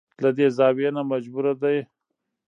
له دې زاويې نه مجبوره ده.